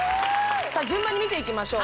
さあ順番に見ていきましょう